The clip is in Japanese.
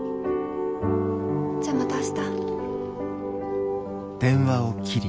じゃまた明日。